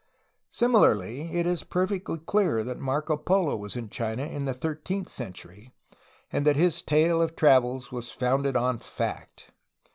Similarly, it is perfectly clear that Marco Polo was in China in the thirteenth century and that his tale of travels was founded on fact.